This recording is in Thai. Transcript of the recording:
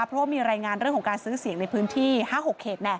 เพราะว่ามีรายงานเรื่องของการซื้อเสียงในพื้นที่๕๖เขต